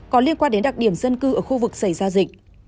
có liên quan đến đặc điểm dân cư ở khu vực xảy ra dịch